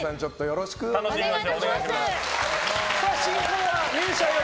よろしくお願いします。